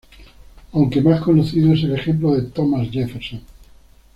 Aunque, más conocido es el ejemplo de Thomas Jefferson.